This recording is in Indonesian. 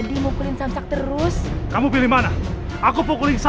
ibu gak usah dilibati